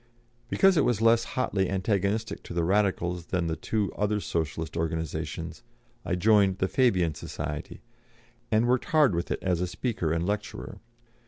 '" Because it was less hotly antagonistic to the Radicals than the two other Socialist organisations, I joined the Fabian Society, and worked hard with it as a speaker and lecturer.